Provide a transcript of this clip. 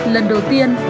lần đầu tiên